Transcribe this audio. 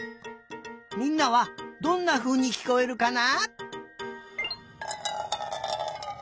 みんなはどんなふうにきこえるかな？